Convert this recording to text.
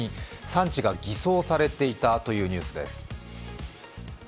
産地が偽装されていたというニュースです。